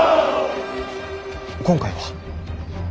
今回は。